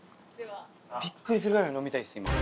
ビックリするぐらい飲みたいです今。